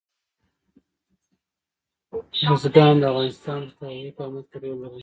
بزګان د افغانستان په ستراتیژیک اهمیت کې رول لري.